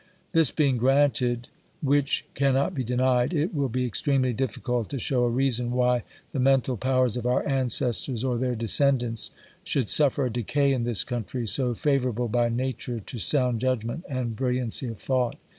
This being granted, which cannot be denied, it will be extremely difficult to show a reason, why the men tal powers of our ancestors, or their descendants, should suffer a decay in this country, so favourable by nature to sound judgment and brilliancy of thought.